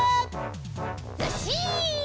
ずっしん！